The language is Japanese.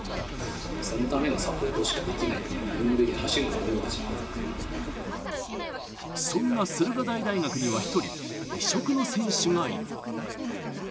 そのためのサポートしかできないので、何もできない、そんな駿河台大学には１人、異色の選手がいる。